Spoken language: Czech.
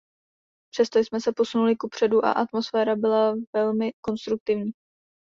Přesto jsme se posunuli kupředu a atmoosféra byla velmi konstruktivní.